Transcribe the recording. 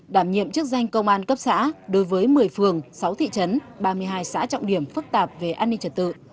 đảm nhiệm chức danh công an cấp xã đối với một mươi phường sáu thị trấn ba mươi hai xã trọng điểm phức tạp về an ninh trật tự